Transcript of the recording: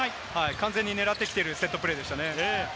完全に狙ってきているセットプレーでしたね。